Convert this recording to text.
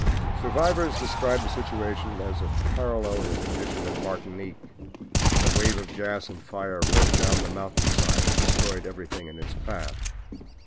"Survivors describe the situation as a parallel of the condition at Martinique when a wave of gas and fire rolled down the mountain side and destroyed everything in its path.